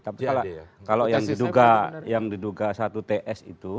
tapi kalau yang diduga satu ts itu